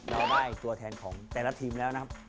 เราได้ตัวแทนของแต่ละทีมแล้วนะครับ